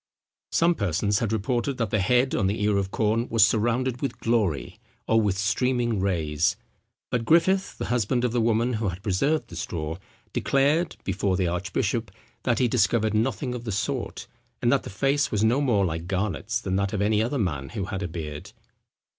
Some persons had reported, that the head on the ear of corn was surrounded with glory, or with streaming rays; but Griffith, the husband of the woman who had preserved the straw, declared, before the archbishop, that he discovered nothing of the sort, and that the face was no more like Garnet's than that of any other man who had a beard.